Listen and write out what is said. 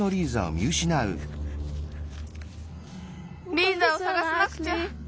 リーザをさがさなくちゃ。